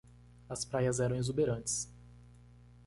As praias eram exuberantes.